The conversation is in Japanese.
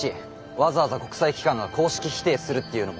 わざわざ国際機関が公式否定するっていうのも。